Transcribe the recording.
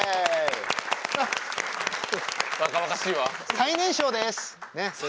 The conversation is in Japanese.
最年少です。